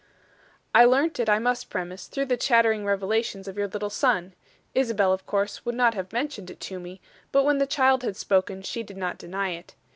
"I learnt it, I must premise, through the chattering revelations of your little son; Isabel, of course, would not have mentioned it to me; but when the child had spoken, she did not deny it.